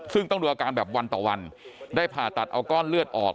ซึ่งต้องดูอาการแบบวันต่อวันได้ผ่าตัดเอาก้อนเลือดออก